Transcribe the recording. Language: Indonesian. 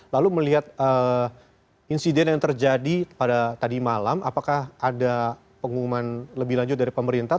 lalu melihat insiden yang terjadi pada tadi malam apakah ada pengumuman lebih lanjut dari pemerintah